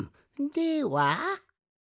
では。